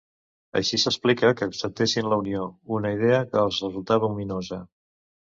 Així s'explica que acceptessin la Unió, una idea que els resultava ominosa.